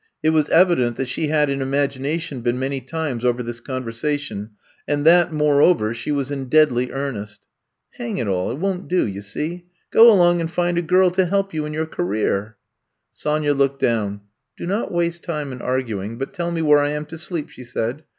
It was evident that she had in imagination been many times over this conversation, and that, moreover, she was in deadly earnest. Hang it all, it won^t do, you see. Go along and find a girl to help you in your career. Sonya looked down. Do not waste time in arguing, but tell me where I am to sleep,*' she said.